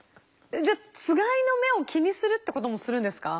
じゃあつがいの目を気にするってこともするんですか？